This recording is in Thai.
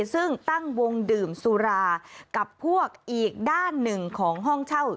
ซึ่งตั้งวงดื่มสุรากับพวกอีกด้านหนึ่งของห้องเช่า